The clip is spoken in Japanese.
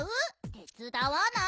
てつだわない？